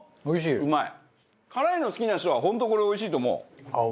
バカリズム：辛いの好きな人は本当、これ、おいしいと思う。